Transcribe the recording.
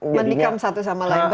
menikam satu sama lain